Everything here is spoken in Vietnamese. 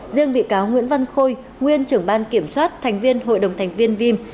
riêng bị cáo nguyễn văn khôi nguyên trưởng ban kiểm soát thành viên hội đồng thành viên vim